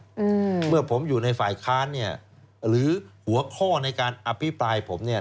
อืมเมื่อผมอยู่ในฝ่ายค้านเนี่ยหรือหัวข้อในการอภิปรายผมเนี่ย